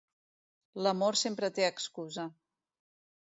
L'amor sempre té excusa.